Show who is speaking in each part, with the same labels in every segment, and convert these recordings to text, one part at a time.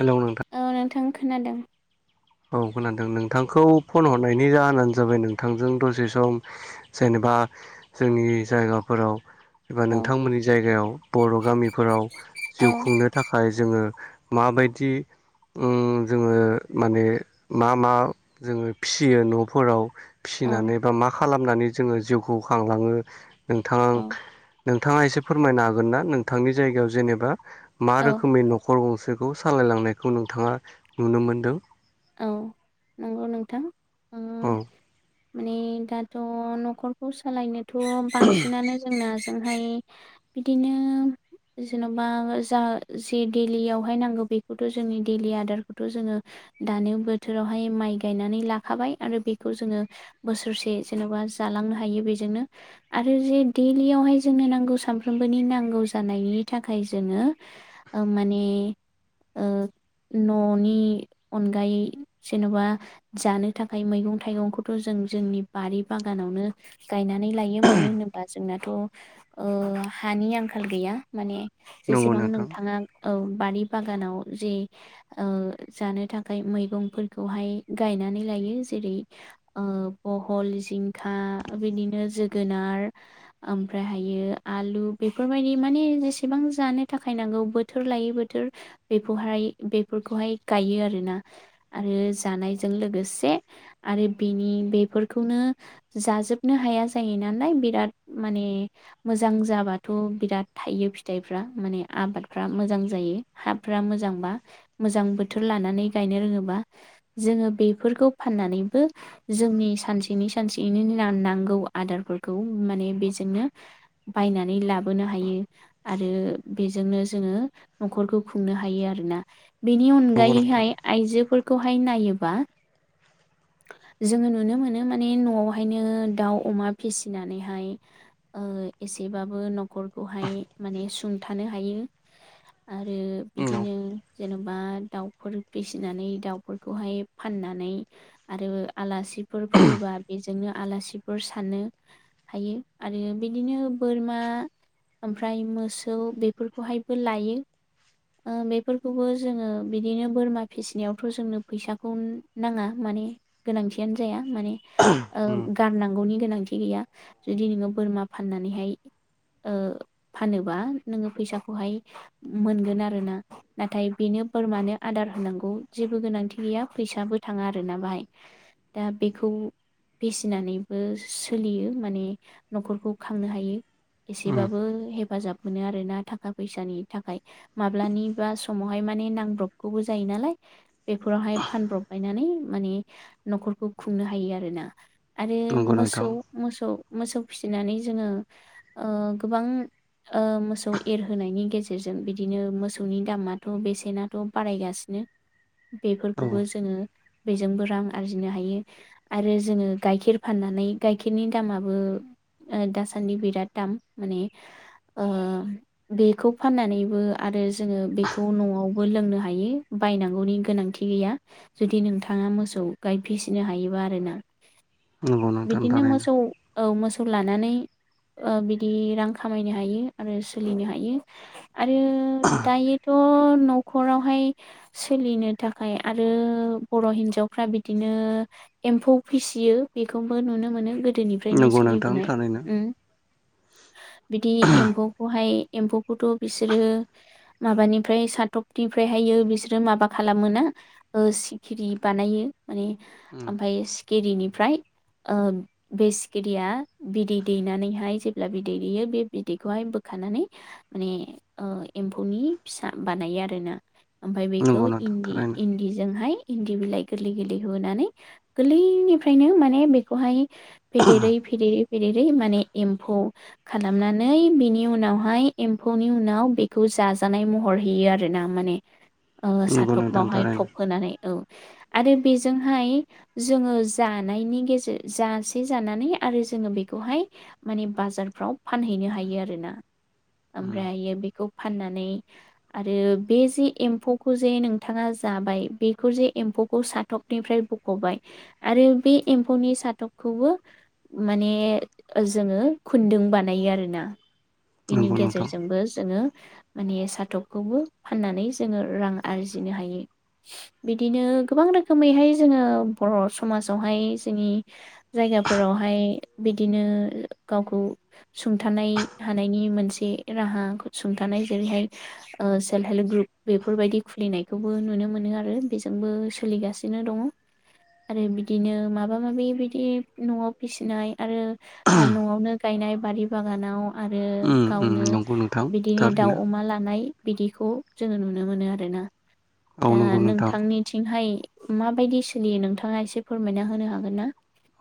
Speaker 1: Hello नोंथां।
Speaker 2: औ नोंथां खोनादों।
Speaker 1: औ खोनादों। नोंथांखौ फन हरनायनि जाहोनानो जाबाय नोंथांजों दसे सम जेने बा जोंनि जायगाफोराव एबा
Speaker 2: औ
Speaker 1: नों थांमोननि जायगायाव बर' गामिफोराव
Speaker 2: औ
Speaker 1: जिउ खुंनो थाखाय जोङो माबायदि उम जोङो माने मा मा जोङो फियो न'फोराव
Speaker 2: औ
Speaker 1: फिसिनानै बा मा खा खालामनानै जोङो जिउखौ खांलाङो नोंथां
Speaker 2: औ
Speaker 1: नोंथाङा एसे फोरमायना हागोन ना नोंथांनि जायगायाव जेनेबा मा
Speaker 2: औ
Speaker 1: रोखोमनि न'खर गंसेखौ सालायलांनायखौ नोंथाङा नुनो मोनदों।
Speaker 2: औ नंगौ नोंथां ओ
Speaker 1: अ
Speaker 2: माने दाथ' न'खरखौ सालायनोथ' बांसिनानो जोंना जोंहाय बिदिनो जेन'बा जा जे दैलियावहाय नांगो बेखौथ' जोंनि दैलि आदारखौथ' जोङो दानो बोथोरावहाय माइ गायनानै लाखाबाय आरो बेखौ जोङो बोसोरसे जेन'बा जाला लांनो हायो बेजोंनो आरो जे दैलियावहाय जोंनो नांगौ सानफ्रोमबोनि नांगौ जानायनि था खाय जोङो ओ माने ओ न'नि अनगायै जेन'बा जानो थाखाय मैगं थाइगंखौथ' जों जोंनि बारि बागानाव नो गायनान नै लायो मानो होनोबा जोंनाथ' ओ हानि आंखाल गैया माने
Speaker 1: नंगौ
Speaker 2: जेसेबां
Speaker 1: नोंथां
Speaker 2: नोंथाङा औ बारि बागानाव जे ओ जानो थाखाय मैगंफोरखौहाय गायनानै लायो जेरै ओ बहल जिंखा आ बिदिनो जोगोनार ओमफ्रायहायो आलु बेफोर बायदि माने जेसेबां जानो थाखाय नांगौ बोथोर लायै बोथोर बेखौहाय बेफोरखौहाय गायो आरो ना आरो जानायजों लोगोसे आरो बेनि बेफोरखौनो जाजोबनो हाया जायो नालाय बिराद माने मोजां जाबाथ' बिराद थायो फि- थाइफ्रा माने आबादफ्रा मोजां जायो हाफ्रा मोजांबा मोजां बोथोर लानानै गायनो रोङोबा जोङो बेफोरखौ फनानैबो जोंनि सानसेनि सानसे ना नांगौ आदारफोरखौ माने बेजोंनो बायनानै लाबोनो हायो आरो बेजोंनो जोङो न'खरखौ खुंनो हायो आरोना बेनि
Speaker 1: नंगौ नोंथां
Speaker 2: अनगायैहाय आइजोफोरखौहाय नायोबा
Speaker 1: [inaudible]
Speaker 2: जोङो नुनो मोनो माने न'आवहायनो दाउ अमा फिसिनानैहाय एसेबाबो न'खरखौहाय माने सुंथानो हायो आरो
Speaker 1: औ
Speaker 2: बिदिनो जेन'बा दाउफोर फिसिनानै दाउफोरखौहाय फाननानै आरो आलासिफोर फैयोबा बेजोंनो आलासिफोर सानो हायो आरो बिदिनो बोरमा ओमफ्राय मोसौ बेफोरखौहायबो लायो ओ बेफोरखौबो जोङो बिदिनो बोरमा फिसिनायावथ' जोंनो फैसाखौ नाङा माने गोनांथियानो जाया माने ओ
Speaker 1: उम
Speaker 2: गारनांगौनि गोनांथि गैया जुदि नोङो बोरमा फाननानैहाय ओफानोबा नोङो फैसाखौहाय मोनगोन आरोना नाथाय बेनो बोरमानो आदार होनांगौ औ जेबो गोनांथि गैया फैसाबो थाङा आरोना बाहाय दा बेखौ फिसिनानैबो सोलियो माने न'खरखौ खांनो हायो
Speaker 1: उम
Speaker 2: एसेबाबो हेफाजाब मोनो आरोना थाखा फैसानि थाखाय माब्लानिबा समावहाय माने नांब्रबगौबो जायो नालाय बेफोरावहाय फानब्रबलायनानै माने न'खरखौ खुंनो हायो आरोना आरो
Speaker 1: नंगौ नोंथां
Speaker 2: मोसौ मोसौ मोसौ फिसिनानै जोङो ओ गोबां ओ मोसौ एरहोनायनि गेजेरजों बिदिनो मोसौनि दामाथ' बेसेनाथ' बारायगासिनो
Speaker 1: औ
Speaker 2: बेफोरखौबो जोङो बेजोंबो रां आरजिनो हायो आरो जोङो गाइखेर फान- नानै गाइखेरनि दामाबो ओ दासान्दि बिराद दाम माने ओ बेखौ फाननानैबो जोङो बेखौ न'आवबो लोंनो हायो बायनां- गौनि गोनांथि गैया जुदि नोंथाङा मोसौ गाय फिसिनो हायोबा आरोना
Speaker 1: नंगौ नोंथां
Speaker 2: बिदिनो
Speaker 1: थारैनो
Speaker 2: मोसौ औ मोसौ लानानै ओ बिदि रां खामायनो हायो आरो सोलिनो हायो आरो दायोथ' अ न'खरावहाय सोलिनो थाखाय आरो बर' हिन्जावफ्रा बिदिनो एम्फौ फिसियो बेखौबो नुनो मोनो गो दोनिफ्रायनो
Speaker 1: नंगौ नोंथां
Speaker 2: सोलिबोनाय
Speaker 1: थारैनो
Speaker 2: उम बिदि एम्फौखौहाय एम्फौखौथ' बिसोरो माबानिफ्राय साथफनिफ्राय हायो बिसो रो माबा खालामो ना ओ सिखिरि बानायो माने
Speaker 1: उम
Speaker 2: ओमफ्राय सिखिरिनिफ्राय ओ बे सिखिरिया बिदै दैनानैहाय जेब्ला बिदै दैयो बे बिदैखौहाय बोखां खानानै माने ओ एम्फौनि फिसा बानायो आरोना ओमफ्राय बे
Speaker 1: नंगौ
Speaker 2: खौ
Speaker 1: नोंथां
Speaker 2: इन्दि
Speaker 1: थारैनो
Speaker 2: इन्दिजोंहाय इन्दि बिलाइ गोरलै गोरलै होनानै गोरलैनिफ्रायनो माने बेखौहाय फेदेरै फेदेरै फेदेरै माने एम्फौ खालामनानै बिनि उनावहाय एम्फौनि उनाव बेखौ जाजानाय महर हैयो आर ना माने ओ
Speaker 1: नंगौ नोंथां
Speaker 2: साथबावहाय
Speaker 1: थारैनो
Speaker 2: थब होनानै औ। आरो बेजोंहाय जोङो जानायनि गेजेर जासे जानानै आरो जोङो बेखौहाय माने बाजारफ्राव फानहैनो हायो आरोना। ओमफ्र
Speaker 1: उम
Speaker 2: बेखौ फाननानै आरो बे जे एम्फौ खौ जे नोंथाङा जाबाय बेखौ जे एम्फौखौ साथबनिफ्राय बख'बाय आरो बे एम्फौनि साथबखौबो माने जोङो खु बेनि
Speaker 1: नंगौ नोंथां
Speaker 2: गेजेरजोंबो जोङो माने साथबखौबो फाननानै जोङो रां आरजिनो हायो। बिदिनो गोबां रोखोमैहाय जोङो बर' समाजावहाय जोंनि जाय जायगाफोरावहाय बिदिनो गावखौ सुंथानाय हानायनि मोनसे राहा खौ सुंथानाय जेरैहाय सेल्फ हेल्प ग्रुप बेफोरबायदि खुलिनायखौबो नुनो मोनो आरो बेजोंबो सोलिगासिनो दङ आरो बिदिनो माबा माबि बिदि न'आव फिसिनाय आरो न'आवनो गाय गायनाय बारि बागानाव आरो
Speaker 1: उम उम
Speaker 2: गावनो
Speaker 1: नंगौ नोंथां
Speaker 2: बिदिनो दाउ
Speaker 1: थारैनो
Speaker 2: अमा लानाय बिदिखौ जोङो नुनो मोनो आरोना।
Speaker 1: औ
Speaker 2: दा
Speaker 1: नंगौ नोंथां
Speaker 2: नोंथांनिथिंहाय माबायदि सोलियो नोंथाङा एसे फोरमायना होनो हागोन ना?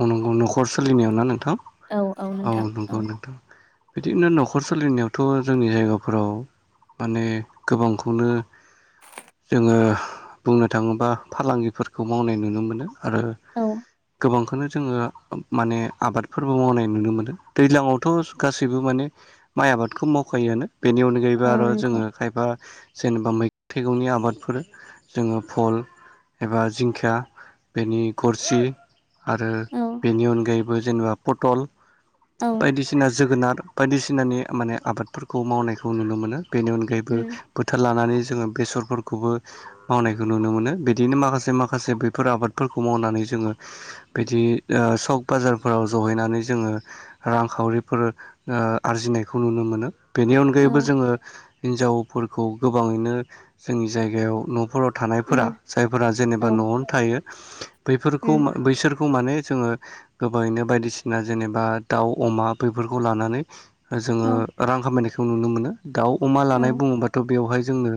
Speaker 1: औ नंगौ न'खर सोलिनायाव ना नोंथां?
Speaker 2: औ
Speaker 1: औ
Speaker 2: नोंथां
Speaker 1: नंगौ
Speaker 2: औ
Speaker 1: नोंथां। बिदिनो न'खर सोलिनायावथ' जोंनि जायगाफोराव माने गोबांखौनो जोङो बुंनो थाङोबा फालांगिफोरखौ मावनाय नुनो मोनो। आरो
Speaker 2: औ
Speaker 1: गोबां बेखौनो जोङो माने आबादफोरबो मावनाय नुनो मोनो दैज्लाांथ' गासैबो माने माइ आबादखौ मावखायोआनो बेनि अनगायैबो
Speaker 2: औ
Speaker 1: आरो जोङो
Speaker 2: नंगौ
Speaker 1: खायफा जेनेबा मै थाइगंनि आबादफोर जोङो फल एबा जिंखिया बेनि गरसि आरो
Speaker 2: औ
Speaker 1: बेनि अनगायैबो जेनेबा पटल
Speaker 2: औ
Speaker 1: बायदिसिना जोगोनार बायदिसिनानि माने आबादफोरखौ मावनायखौ नुनो मोनो बेनि अनगायैबो
Speaker 2: उम
Speaker 1: बोथोर लानानै जोङो बेसरफोरखौबो मावनायखौ नुनो मोनो बिदिनो माखासे माखासे बैफोर आबादफोरखौ मावनानै जोङो बिदि ओ सक बाजारफोराव जहैनानै जोङो रांखावरिफोर आरजि नायखौ नुनो मोनो। बेनि
Speaker 2: औ
Speaker 1: अनगायैबो जोङो हिनजावफोरखौ गोबाङैनो जोंनि जाय जायगायाव न'फोराव थानायफोरा
Speaker 2: उम
Speaker 1: जायफोरा
Speaker 2: औ
Speaker 1: जेनेबा न'आवनो थायो बैफोरखौ
Speaker 2: उम
Speaker 1: बैसोर माने जोङो गोबाङैनो बायदिसिना जेनेबा दाउ अमा बेफोरखौ लानानै जोङो
Speaker 2: औ
Speaker 1: रां खामायनायखौ नुनो मोनो। दाउ अमा
Speaker 2: औ
Speaker 1: लानाय बुङोबाथ' बेवहाय जोंनो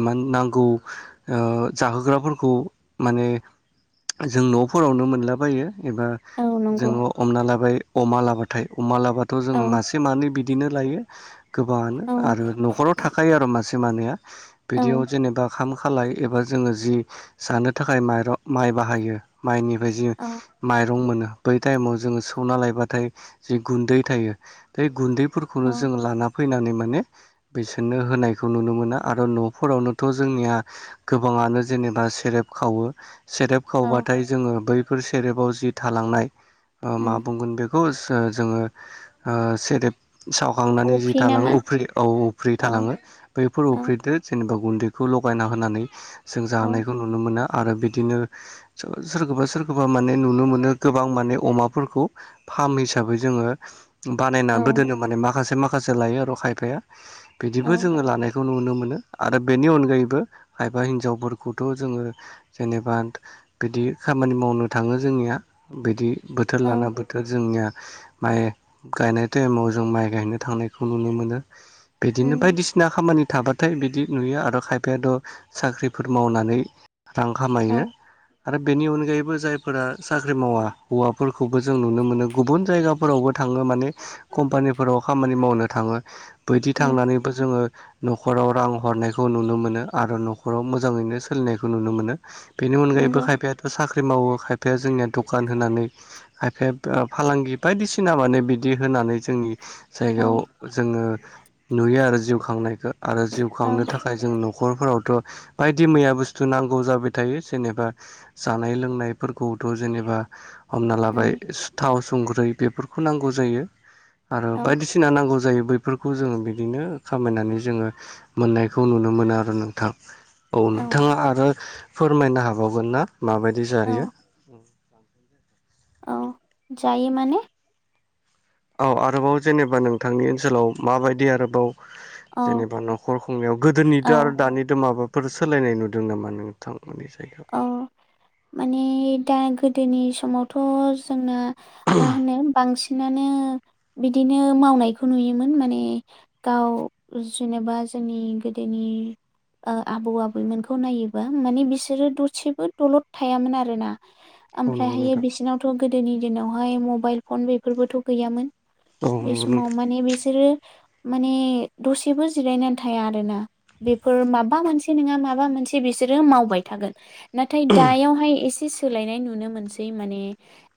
Speaker 1: इमान नांगौ ओ जाहोग्राफोरखौ माने जों न'फोरावनो मोनला फैयो एबा
Speaker 2: औ
Speaker 1: जों
Speaker 2: नंगौ
Speaker 1: हमनालाबाय अमा लाबा थाय अमालाबा होबाथ' जों
Speaker 2: औ
Speaker 1: मासे मानै बिदिनो लायो गोबाङानो
Speaker 2: औ
Speaker 1: आरो न'खराव थाखायो आरो मासे माने
Speaker 2: औ
Speaker 1: बिदियाव जेनेबा खाम खालाय एबा जों जि जानो थाखाय माइरं माइ बाहायो माइनि जि
Speaker 2: औ
Speaker 1: माइरं मोनो बै थाइमाव जोङो सौना लायबाथाय जि गुन्दै थायो बे गुन्दै बेफोरखौ
Speaker 2: औ
Speaker 1: जों लाना फैनानै माने बिसोरनो होनायखौ नुनो मोना आरो न'फोरावनोथ' जोंनिया गोबां माने जेनेबा सेरेब खावो सेरेब
Speaker 2: औ
Speaker 1: खावबाथाय जोङो बै बेफोर सेरेबाव जि थालांनाय ओ मा
Speaker 2: उम
Speaker 1: बुंगोन बेखौ जोङो ओ सोदोब सावखांनानै जि
Speaker 2: अफ्रि
Speaker 1: थालाङो
Speaker 2: नामा
Speaker 1: उफ्रि औ उफ्रि
Speaker 2: औ
Speaker 1: थालाङो बैफोर
Speaker 2: औ
Speaker 1: उफ्रिदो जेनेबा गुन्दैखौ लगायना होनानै जों
Speaker 2: औ
Speaker 1: जानायखौ नुनो मोनो। आरो बिदिनो सोरखौबा सोर खोबा माने नुनो मोनो गोबां माने अमाफोरखौ फार्म हिसाबै जोङो
Speaker 2: औ
Speaker 1: बानायनानै दोनो माने माखासे माखासे लायो आरो खायफाया बिदिबो
Speaker 2: औ
Speaker 1: जोङो लानाय बेखौ नुनो मोनो आरो बेनि अनगायैबो खायफा हिनजावफोरखौथ' जोङो जेनेबा बिदि खामानि मावनो थाङो जोंनिया बिदि बोथोर लाना
Speaker 2: औ
Speaker 1: बोथोर जोंनिया माइ गायनाय टाइमाव जों माइ गायनो थांनायखौ नुनो मोनो। बिदिनो
Speaker 2: उम
Speaker 1: बायदिसिना खामानि थाबाथाय बिदि नुयो आरो खायफायाथ' साख्रिफोर मावनानै रां खामायो
Speaker 2: औ
Speaker 1: आरो बेनि अनगायैबो जाय फोर साख्रि मावा हौवाफोरखौबो जों नुनो मोनो गुबुन जायगाफोरावबो थाङो माने कम्पानिफोराव खामानि मावनो थाङो बायदि
Speaker 2: उम
Speaker 1: थांनानैबो जोङो न'खराव रां हरनायखौ नुनो मोनो आरो न'खराव मोजाङैनो सोलिनायखौ नुनो मोनो। बेनि अनगायैबो
Speaker 2: नंगौ
Speaker 1: खायफायाथ' साख्रि मावो खायफाया जोंनिया दखान होनानै खायफाया फालांगि बायदिसिना माने बि दि होनानै जोंनि
Speaker 2: औ
Speaker 1: जायगायाव जोङो नुयो आरो जिउ खांनायखो। आरो जिउ
Speaker 2: औ
Speaker 1: खांनो थाखाय जों न'खर फोरावथ' बायदि मैया बुस्थु नांगौ जाबाय थायो जेनेबा जानाय लोंनाय फोरखौथ' जेनेबा हमना लाबाय
Speaker 2: उम
Speaker 1: सुथाव संख्रै बेफोरखौ नांगौ जायो आरो
Speaker 2: औ
Speaker 1: बायदिसिना नांगौ जायो। बैफोरखौ जोङो बिदिनो खामायनानै जोङो मोननायखौ नुनो मोनो आरो नोंथां। औ नोंथाङा आरो फोरमायनो हाबावगोन ना माबायदि जायो।
Speaker 2: औ
Speaker 1: [unintelligible]
Speaker 2: औ जायो माने
Speaker 1: औ आरोबाव जेनेबा नोंथांनि ओनसोलाव माबायदि आरोबाव
Speaker 2: औ
Speaker 1: जेनेबा न'खर खुंनायाव
Speaker 2: औ
Speaker 1: गोदोनिथ' आरो दानिथ' माबा फोर सोलायनाय नुदों नामा नोंथां?
Speaker 2: औ माने दा गोदोनि समावथ' जोंना मा होनो बांसिन नानो बिदिनो मावनायखौ नुयोमोन माने गाव जेनेबा जोंनि गोदोनि ओ आबौ आबैमोनखौ नायोबा माने बिसोरो दसेबो दलद थायामोन आरो ना।
Speaker 1: औ नंगौ
Speaker 2: ओमफ्रायहायो
Speaker 1: नोंथां
Speaker 2: बिसिनावथ' गोदोनि दिनावहाय मबाइल फन बेफोरबोथ' गैयामोन।
Speaker 1: औ
Speaker 2: बे
Speaker 1: नंगौ
Speaker 2: समाव
Speaker 1: नोंथां
Speaker 2: माने बिसोरो माने दसेबो जिरायनानै थाया आरो ना बेफोर माबा मोनसे नङा माबा मोनसे बिसोर बिसोरो मावबाय थागोन नाथाय दायावहाय एसे सोलायनाय नुनो मोनसै माने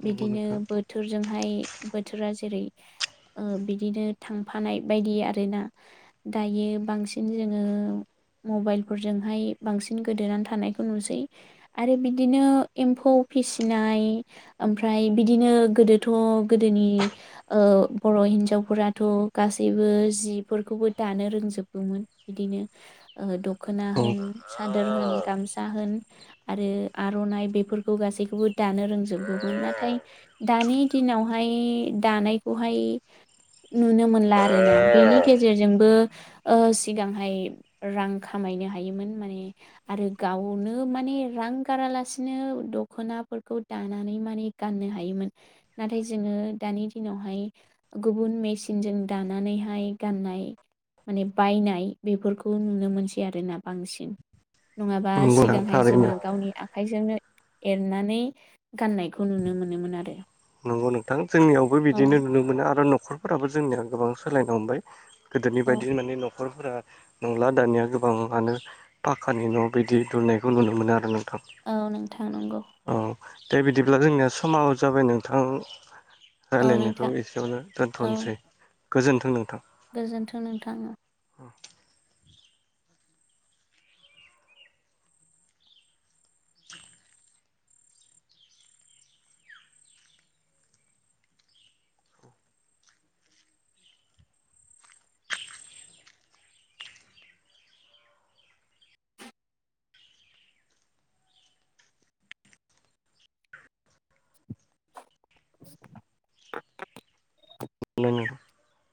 Speaker 1: नंगौ
Speaker 2: बिदिनो
Speaker 1: नोंथां
Speaker 2: बोथोरजोंहाय बोथोरा जेरै
Speaker 1: [unintelligible]
Speaker 2: ओ बिदिनो थांफानाय बायदि आरोना दायो बांसिन जोङो मबाइलफोरजोंहाय बांसिन गोदोनानै थानाय नुसै आरो बिदिनो एम्फौ फिसिनाय ओमफ्राय बिदिनो गोदोथ' गोदोनि ओ बर' हिनजावफोराथ' गासैबो जिफोरखौ बो दानो रोंजोबगौमोन इदिनो ओ दख'ना
Speaker 1: औ
Speaker 2: होन सादोर होन गामसा होन आरो आर'नाइ बेफोरखौ गासैखोबो दानो रोंजोबौमोन नाथाय दान नि दिनावहाय दानायखौहाय नुनो मोनला आरोना बेनि गेजेरजोंबो ओ सिगांहाय रां खामाय नो हायोमोन माने आरो गावनो माने रां गारालासिनो दख'नाफोरखौ दानानै माने गाननो हायोमो मोन नाथाय जोङो दानि दिनावहाय गुबुन मेचिनजों दानानैहाय गान नाय माने बायनाय बेफोरखौ नुनो मोनसै आरोना बांसिन नङाबा
Speaker 1: नंगौ नोंथां
Speaker 2: सिगांहाय
Speaker 1: थारैनो
Speaker 2: जोङो गावनि आ खाइजोंनो एरनानै गाननायखौ नुनो मोनोमोन आरो।
Speaker 1: नंगौ नोंथां जोंनियावबो
Speaker 2: औ
Speaker 1: बिदिनो नुनो मोनो आरो न'खरफोराबो जोंनिया गोबां सोलायनो हमबाय। गोदोनि
Speaker 2: औ
Speaker 1: बायदि माने न' खरफोरा नंला दानिया गोबाङानो पाकानि न' बिदि दुनायखौ नुनो मोनो आरो नों
Speaker 2: औ नोंथां नंगौ
Speaker 1: दा बिदिब्ला जोंनिया समाबो जाबाय नोंथां।
Speaker 2: औ
Speaker 1: रायलायनायखौ
Speaker 2: नोंथां
Speaker 1: एसेयावनो
Speaker 2: औ
Speaker 1: दोन्थ'नोसै गोजोन्थों नोंथां।
Speaker 2: गोजोन्थों नोंथां ओं।
Speaker 1: [unintelligible] [unintelligible]